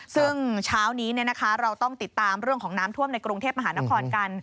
ซึ่งเช้านี้เราต้องติดตามเรื่องของน้ำท่วมในกรุงเทพมหานครกัน